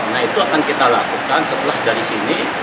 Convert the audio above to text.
nah itu akan kita lakukan setelah dari sini